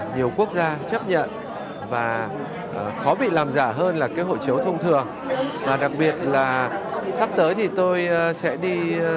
nhiều quốc gia chấp nhận và khó bị làm giả hơn là cái hộ chiếu thông thường và đặc biệt là sắp tới thì tôi sẽ đi